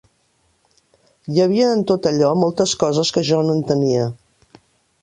Hi havia en tot allò moltes coses que jo no entenia